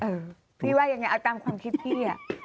พี่ว่ายังไงเอาตามความคิดพี่